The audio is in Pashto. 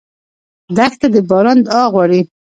دښته د باران دعا غواړي.